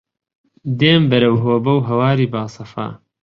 دێم بەرەو هۆبە و هەواری باسەفا